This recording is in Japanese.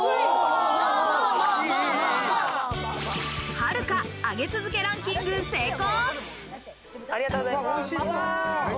はるか、上げ続けランキング成功。